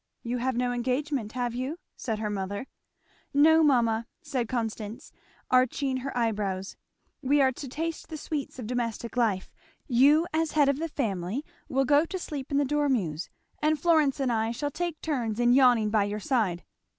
"You have no engagement, have you?" said her mother. "No mamma," said Constance arching her eyebrows, "we are to taste the sweets of domestic life you as head of the family will go to sleep in the dormeuse, and Florence and I shall take turns in yawning by your side."